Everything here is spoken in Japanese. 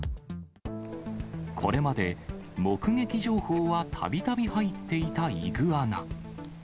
これまで、目撃情報はたびたび入っていたイグアナ。